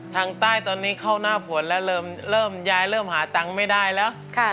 ทางใต้ตอนนี้เข้าหน้าฝนแล้วเริ่มยายเริ่มหาตังค์ไม่ได้แล้ว